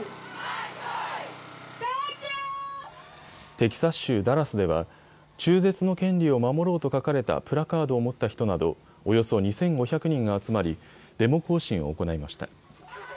テキサス州ダラスでは中絶の権利を守ろうと書かれたプラカードを持った人などおよそ２５００人が集まりデモ行進を行いました。